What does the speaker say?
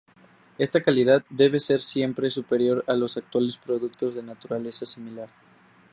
Esta calidad debe ser siempre superior a los actuales productos de naturaleza similar.